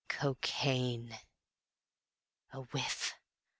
Cocaine! A whiff!